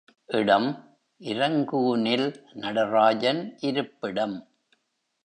இடம் இரங்கூனில் நடராஜன் இருப்பிடம்.